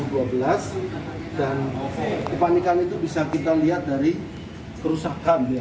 dan kepanikan itu bisa kita lihat dari kerusakan ya